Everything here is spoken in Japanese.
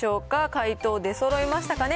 解答出そろいましたかね。